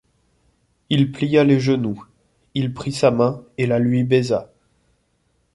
Il plia les genoux, il prit sa main et la lui baisa